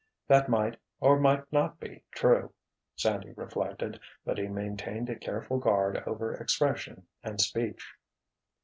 That might, or might not be true, Sandy reflected; but he maintained a careful guard over expression and speech.